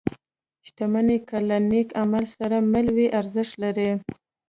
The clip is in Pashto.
• شتمني که له نېک عمل سره مل وي، ارزښت لري.